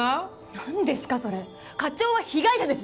何ですかそれ課長は被害者ですよ